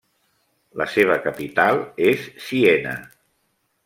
La seva capital és Siena.